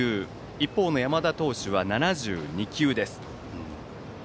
一方の山田投手は７２球です。